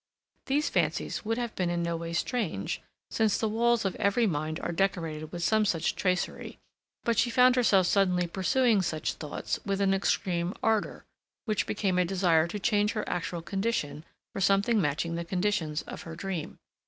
These fancies would have been in no way strange, since the walls of every mind are decorated with some such tracery, but she found herself suddenly pursuing such thoughts with an extreme ardor, which became a desire to change her actual condition for something matching the conditions of her dream.